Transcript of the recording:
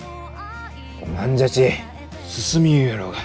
おまんじゃち進みゆうろうが。